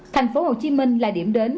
thành phố hồ chí minh là điểm đến